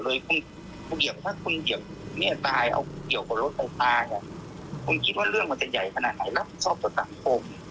แล้วไม่ใช่ผมถ้าเอาคุณปล่อยปิศภาพแล้ว